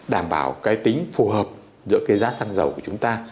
đảm bảo cái tính phù hợp giữa cái giá xăng dầu của chúng ta